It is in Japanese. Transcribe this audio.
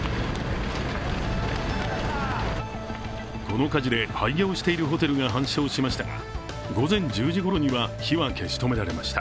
この火事で、廃業しているホテルが半焼しましたが午前１０時ごろには火は消し止められました。